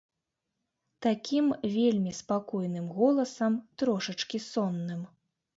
Такім вельмі спакойным голасам, трошачкі сонным.